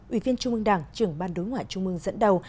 ủy viên trung ương đảng trưởng ban đối ngoại trung mương dẫn đầu